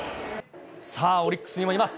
さあオリックスにもいます。